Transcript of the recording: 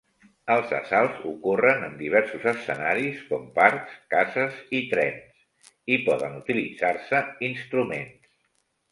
Els assalts ocorren en diversos escenaris com parcs, cases i trens i poden utilitzar-se instruments.